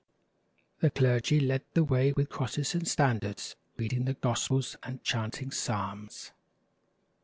The clergy led the way with crosses and standards, reading the gospels and chanting psalms.